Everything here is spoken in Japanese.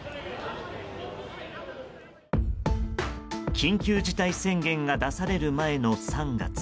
緊急事態宣言が出される前の３月。